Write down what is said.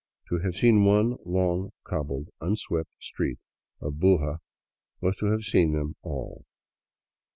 To have seen one long, cobbled, unswept street of Buga was to have seen them all.